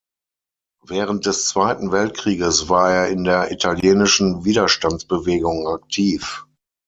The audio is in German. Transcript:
Während des Zweiten Weltkrieges war er in der italienischen Widerstandsbewegung aktiv.